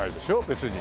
別に。